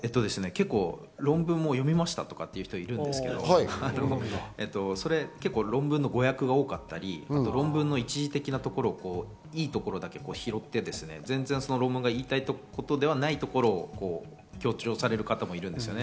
論文も読みましたという人いるんですけれども、論文の誤訳が多かったり、一時的ないいところだけを拾って論文の言いたいところではないところを強調される方もいるんですよね。